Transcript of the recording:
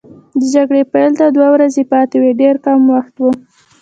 د جګړې پیل ته دوه ورځې پاتې وې، ډېر کم وخت وو.